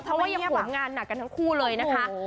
เพราะว่ายังผลงานหนักกันทั้งคู่เลยนะคะ